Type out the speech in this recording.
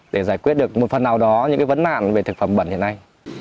để giải quyết được một phần nào đó những vấn nạn về thực phẩm bẩn hiện nay